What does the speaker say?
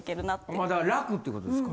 まだ楽っていうことですか？